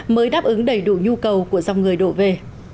mới đáp ứng đầy đủ nhu cầu của dòng người đổ về